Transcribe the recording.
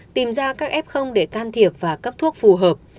tìm ra các f để can thiệp và cấp thuốc phù hợp